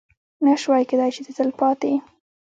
نه شوای کېدی چې د تلپاتې